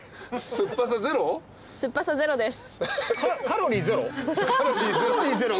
酸っぱさゼロです。